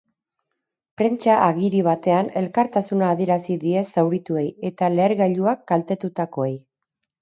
Prentsa agiri batean, elkartasuna adierazi die zaurituei eta lehergailuak kaltetutakoei.